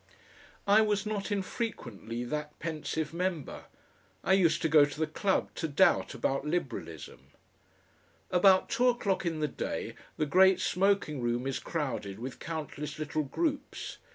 I was not infrequently that pensive member. I used to go to the Club to doubt about Liberalism. About two o'clock in the day the great smoking room is crowded with countless little groups.